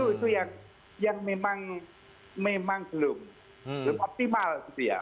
itu yang memang belum optimal